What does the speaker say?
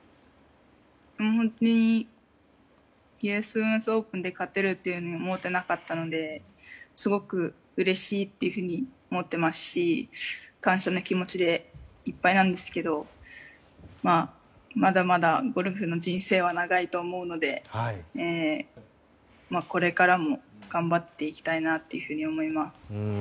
本当にＵＳオープンで勝てるとは思っていなかったのですごくうれしいっていうふうに思ってますし、感謝の気持ちでいっぱいなんですけどまだまだゴルフの人生は長いと思うのでこれからも頑張っていきたいなというふうに思います。